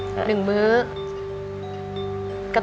เพลงเก่งของคุณครับ